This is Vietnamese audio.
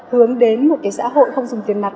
hướng đến một xã hội không dùng tiền mặt